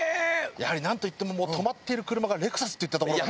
やはりなんといっても止まっている車がレクサスといったところがね。